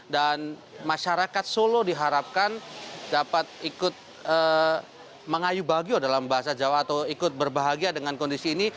dan masyarakat solo diharapkan dapat ikut mengayu bahagia dalam bahasa jawa atau ikut berbahagia dengan kondisi ini